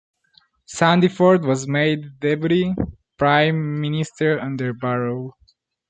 Sandiford was made Deputy Prime Minister under Barrow.